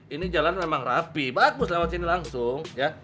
ini jalan memang rapi bagus lewat sini langsung ya